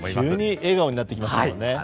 急に笑顔になってきましたね。